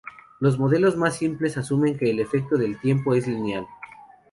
Los modelos más simples asumen que el efecto del tiempo es lineal.